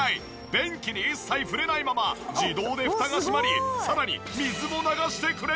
便器に一切触れないまま自動でフタが閉まりさらに水も流してくれるんです！